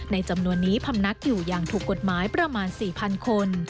จำนวนนี้พำนักอยู่อย่างถูกกฎหมายประมาณ๔๐๐คน